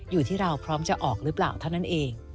อยู่ที่เราพร้อมจะออกหรือเปล่าเท่านั้นเอง